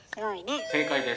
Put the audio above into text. ・正解です。